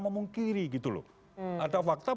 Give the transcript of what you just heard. memungkiri gitu loh ada fakta